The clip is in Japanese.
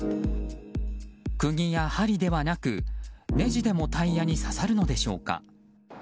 釘や針ではなく、ねじでもタイヤに刺さるのでしょうか。